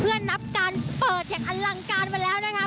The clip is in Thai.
เพื่อนับการเปิดอย่างอลังการมาแล้วนะคะ